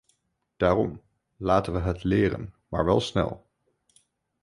Daarom: laten we het leren, maar wel snel!